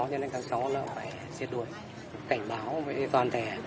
cho nên các cháu phải xét đuổi cảnh báo toàn thể